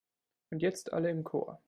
Und jetzt alle im Chor!